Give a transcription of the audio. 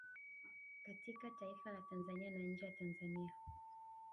katika taifa la Tanzania na nje ya Tanzania